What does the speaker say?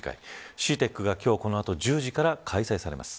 ＣＥＡＴＥＣがこの後１０時から開催されます。